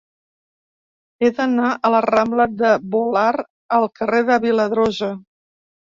He d'anar de la rambla de Volart al carrer de Viladrosa.